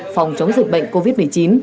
phòng chống dịch bệnh covid một mươi chín